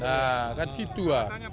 nah kan gitu ya